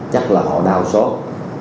chắc là họ đau xót